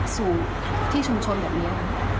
สู่ที่ชุมชนแบบนี้